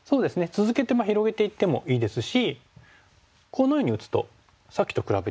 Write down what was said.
続けて広げていってもいいですしこのように打つとさっきと比べてどうでしょう？